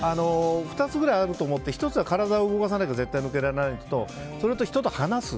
２つぐらいあると思って１つは体を動かさないと絶対に抜けられないのとそれと人と話す。